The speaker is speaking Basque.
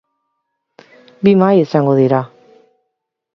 Bi mahai izango dira.